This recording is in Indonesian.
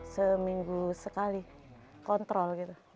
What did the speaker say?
seminggu sekali kontrol gitu